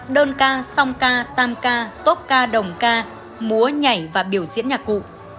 đơn ca song ca tam ca tốt ca đồng ca múa nhảy và biểu diễn nhạc cụ